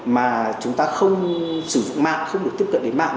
mà chúng ta không sử dụng mạng không được tiếp cận đến mạng